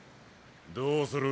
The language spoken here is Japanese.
どうする？